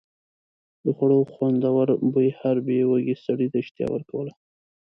د خوړو خوندور بوی هر بې وږي سړي ته اشتها ورکوله.